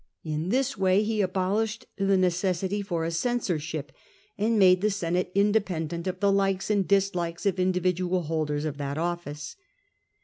In this way he abolished the necessity for a censorship, and made the Senate independent 1 54 SULLA of the likes and dislikes of individual holders of that office.